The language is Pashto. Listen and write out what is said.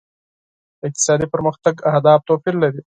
د اقتصادي پرمختګ اهداف توپیر لري.